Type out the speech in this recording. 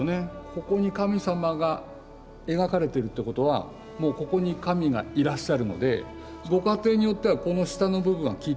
ここに神様が描かれてるってことはもうここに神がいらっしゃるのでご家庭によってはこの下の部分は切っちゃって。